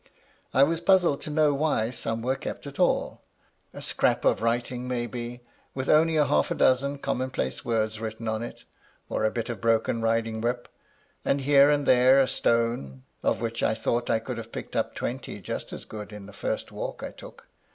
I was puzzled to know why some were kept at all ; a scrap of writing 68 MY LADY LUDLOW. may be, with only half a dozen common place words written on it, or a bit of broken riding whip, and here and there a stone, of which I thought I could have picked up twenty just as good in the first walk I took.